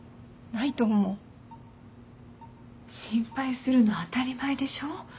心配するの当たり前でしょ？